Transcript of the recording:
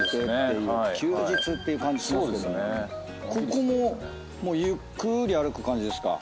ここもゆっくり歩く感じですか？